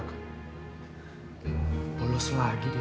kalau gue baru ke sekolah nerves